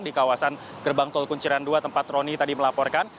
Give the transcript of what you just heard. di kawasan gerbang tol kunciran dua tempat roni tadi melaporkan